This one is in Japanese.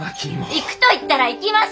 行くと言ったら行きます！